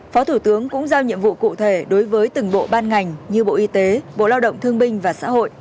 phó thủ tướng cũng giao nhiệm vụ cụ thể đối với từng bộ ban ngành như bộ y tế bộ lao động thương binh và xã hội